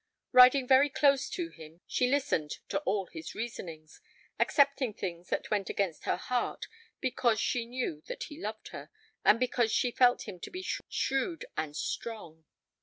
Riding very close to him, she listened to all his reasonings, accepting things that went against her heart, because she knew that he loved her, and because she felt him to be shrewd and strong.